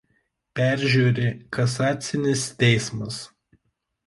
Peržiūri kasacinis teismas.